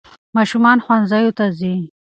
ماشومان ښوونځیو ته ځي.